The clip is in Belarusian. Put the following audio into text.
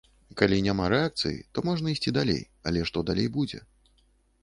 Калі няма рэакцыі, то можна ісці далей, але што далей будзе?